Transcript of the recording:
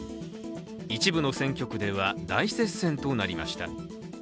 一部の選挙区では大接戦となりました。